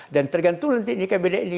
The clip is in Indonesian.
dan tergantung nanti ini kan beda ini